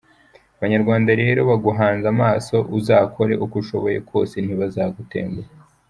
Abanyarwanda rero baguhanze amaso, uzakore uko ushoboye kose, ntuzabatenguhe !